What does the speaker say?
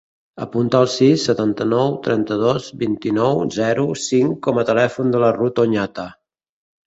Apunta el sis, setanta-nou, trenta-dos, vint-i-nou, zero, cinc com a telèfon de la Ruth Oñate.